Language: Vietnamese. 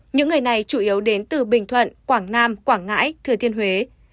những người này chủ yếu đến từ bình thuận quảng nam quảng ngãi thừa thiên huế